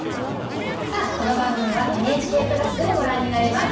さあこの番組は「ＮＨＫプラス」でもご覧になれます。